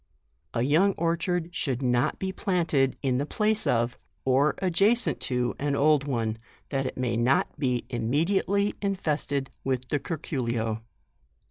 A young orchard should not be planted in the place of, or adjacent to, an old one, that it may not be immediately in fested with the curculio.